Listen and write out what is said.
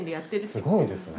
すごいですね！